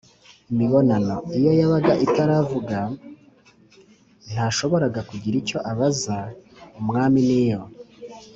imibonano, iyo yabaga itaravuga ntashoboraga kugira icyo abaza umwamin’iyo